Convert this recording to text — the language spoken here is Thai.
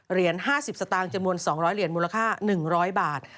๕๐สตางค์จำนวน๒๐๐เหรียญมูลค่า๑๐๐บาท